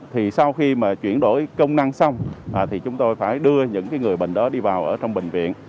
thì sau khi mà chuyển đổi công năng xong thì chúng tôi phải đưa những người bệnh đó đi vào ở trong bệnh viện